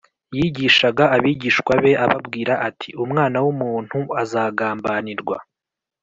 Yigishaga abigishwa be ababwira ati umwana w’ umuntu azagambanirwa